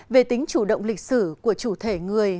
về tính chủ động lịch sử của chủ thể người